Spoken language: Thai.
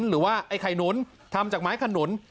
หรือว่าไอ้ไข่หนุนทำจากไม้ขนุน